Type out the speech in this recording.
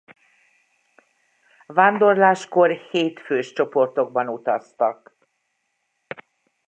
Vándorláskor hét fős csoportokban utaztak.